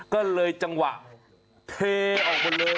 ก็เลยจังหวะเทออกไปเลย